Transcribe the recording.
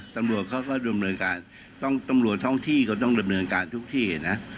ตำรวจเขาก็ดำเนินการต้องตำรวจท้องที่ก็ต้องดำเนินการทุกที่นะ